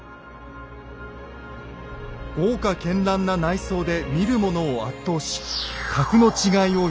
豪華絢爛な内装で見る者を圧倒し格の違いを見せつける。